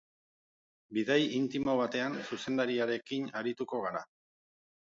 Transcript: Bidai intimo batean zuzendariarekin arituko gara.